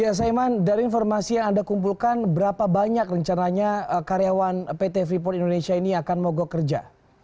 ya saiman dari informasi yang anda kumpulkan berapa banyak rencananya karyawan pt freeport indonesia ini akan mogok kerja